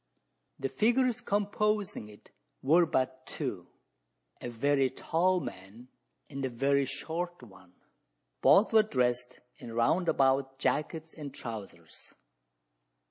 The figures composing it were but two a very tall man, and a very short one. Both were dressed in round about jackets and trousers.